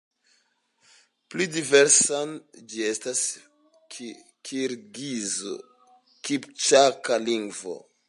Pli verŝajne, ĝi estas kirgiz-kipĉaka lingvo.